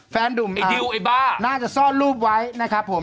หนุ่มไอ้ดิวไอ้บ้าน่าจะซ่อนรูปไว้นะครับผม